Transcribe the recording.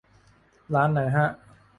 ร้านไหนฮะ